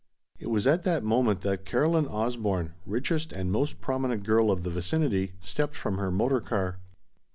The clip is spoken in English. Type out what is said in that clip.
It was at that moment that Caroline Osborne, richest and most prominent girl of the vicinity, stepped from her motor car.